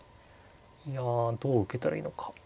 いやどう受けたらいいのか。